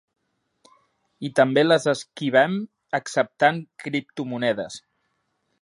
I també les esquivem acceptant criptomonedes.